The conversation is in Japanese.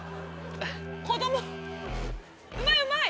子供うまいうまい。